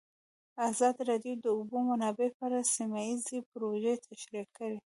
ازادي راډیو د د اوبو منابع په اړه سیمه ییزې پروژې تشریح کړې.